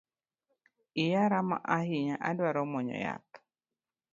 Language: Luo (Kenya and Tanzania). Iya rama ahinya adwa mwonyo yath